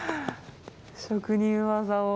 職人技を。